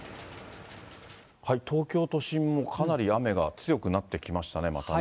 東京都心もかなり雨が強くなってきましたね、またね。